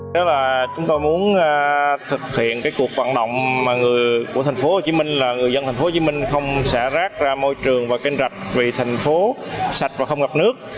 nếu là chúng tôi muốn thực hiện cuộc vận động mà người dân tp hcm không xả rác ra môi trường và kênh rạch vì thành phố sạch và không gặp nước